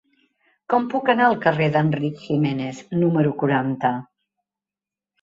Com puc anar al carrer d'Enric Giménez número quaranta?